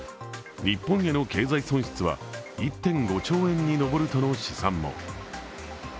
日本への経済損失は１．５兆円に上るとの試算も。